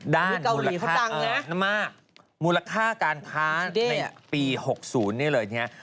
ด้านมูลค่าการค้ามูลค่าการค้าในปี๖๐เนี่ยเลย